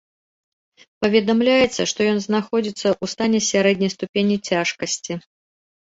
Паведамляецца, што ён знаходзіцца ў стане сярэдняй ступені цяжкасці.